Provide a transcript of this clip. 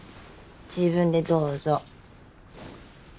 自分でどうぞ。